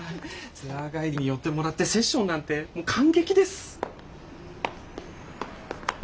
ツアー帰りに寄ってもらってセッションなんて感激です。